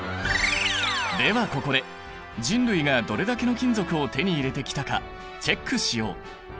ではここで人類がどれだけの金属を手に入れてきたかチェックしよう！